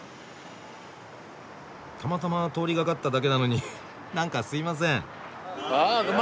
たまたま通りがかっただけなのになんかすいません。